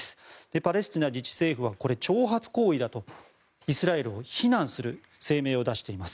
パレスチナ自治政府はこれは挑発行為だとイスラエルを非難する声明を出しています。